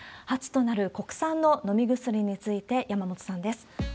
初となる国産の飲み薬について、山本さんです。